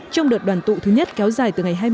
trong đợt đoàn tụ thứ nhất kéo dài từ ngày hai mươi